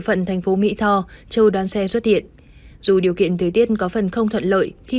phận thành phố mỹ tho trừ đoàn xe xuất hiện dù điều kiện thời tiết có phần không thuận lợi khi